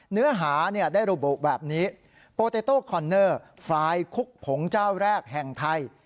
เนื้อหาเนี่ยได้รูปแบบนี้โปเตโต้คอนเนอร์ฟรายคุกผงเจ้าแรกแห่งไทย